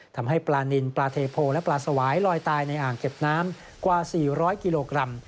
ทำให้ปลานินปลาเทโพและปลาสวายลอยตายในอ่างเก็บน้ำกว่า๔๐๐กิโลกรัม